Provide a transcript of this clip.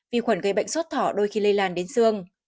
vi khuẩn gây bệnh sốt thỏ đôi khi lây lan đến xương